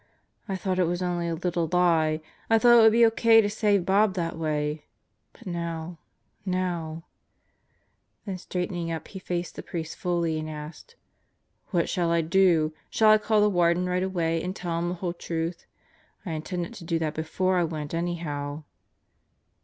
"I thought it was only a little lie. I thought it would be O.K. to save Bob that way. But now ... now ..." Then straightening up he faced the priest fully and asked. "What shall I do? Shall I call the Warden right away and tell him the whole truth? I intended to do that before I went anyhow.